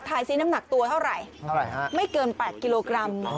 ทายซีนน้ำหนักตัวเท่าไรเท่าไรฮะไม่เกิน๘กิโลกรัม